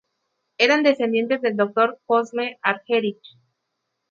Eran descendientes del Dr. Cosme Argerich.